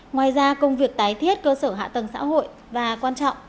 ngoài ra công việc tái thiết cơ sở hạ tầng xã hội và quan trọng